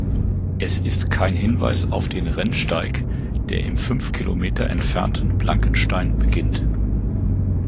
Es ist kein Hinweis auf den Rennsteig, der im fünf Kilometer entfernten Blankenstein beginnt.